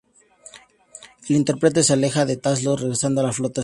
El "Enterprise" se aleja de Talos y regresa a la Flota Estelar.